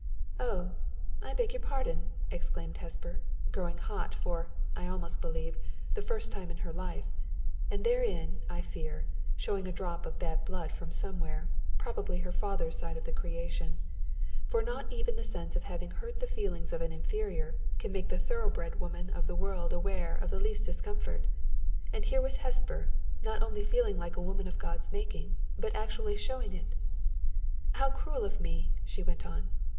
"Oh! I beg your pardon," exclaimed Hesper, growing hot for, I almost believe, the first time in her life, and therein, I fear, showing a drop of bad blood from somewhere, probably her father's side of the creation; for not even the sense of having hurt the feelings of an inferior can make the thoroughbred woman of the world aware of the least discomfort; and here was Hesper, not only feeling like a woman of God's making, but actually showing it! "How cruel of me!" she went on.